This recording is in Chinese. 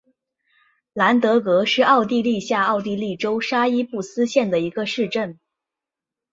兰德格是奥地利下奥地利州沙伊布斯县的一个市镇。